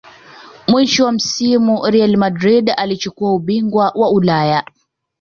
mwisho wa msimu real madrid ilichukua ubungwa wa ulaya